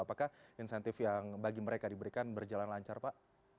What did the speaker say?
apakah insentif yang bagi mereka diberikan berjalan lancar pak